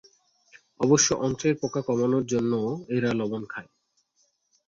অবশ্য অন্ত্রের পোকা কমানোর জন্যও এরা লবণ খায়।